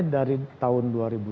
dari tahun dua ribu tiga